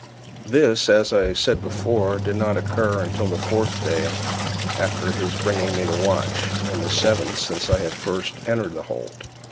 This, as I said before, did not occur until the fourth day after his bringing me the watch, and the seventh since I had first entered the hold.